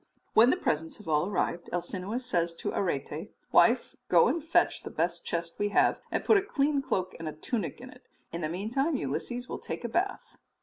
When the presents have all arrived, Alcinous says to Arete, "Wife, go and fetch the best chest we have, and put a clean cloak and a tunic in it. In the meantime Ulysses will take a bath."